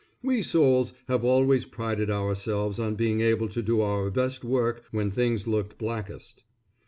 We Soules have always prided ourselves on being able to do our best work when things looked blackest.